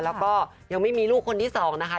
แล้วก็ยังไม่มีลูกคนที่สองนะคะ